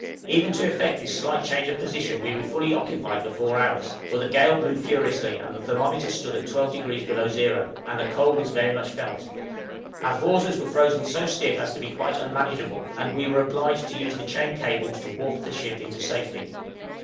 Even to effect this slight change of position we were fully occupied for four hours; for the gale blew furiously, and thermometer stood at 12° below zero, and the cold was very much felt; our hawsers were frozen so stiff as to be quite unmanageable, and we were obliged to use the chain cables to warp the ship into safety.